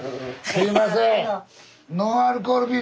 すいません